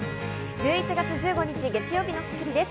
１１月１５日、月曜日の『スッキリ』です。